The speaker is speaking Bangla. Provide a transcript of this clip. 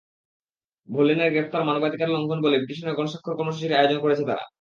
ভলিনের গ্রেপ্তার মানবাধিকার লঙ্ঘন বলে পিটিশনে গণস্বাক্ষর কর্মসূচির আয়োজন করেছে তারা।